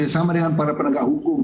sama dengan para penegak hukum